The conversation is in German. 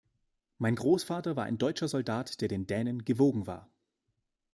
Mein Großvater war ein deutscher Soldat, der den Dänen gewogen war.